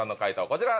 こちら。